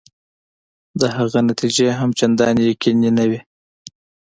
د هغو نتیجه هم چنداني یقیني نه وي.